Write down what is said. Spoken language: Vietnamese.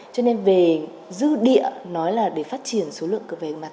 cho nên về dư địa nói là để phát triển số lượng về mặt cửa hàng